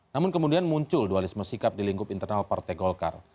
namun kemudian muncul dualisme sikap di lingkup internal partai golkar